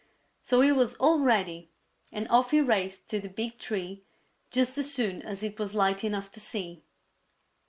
So he was all ready and off he raced to the big tree just as soon as it was light enough to see.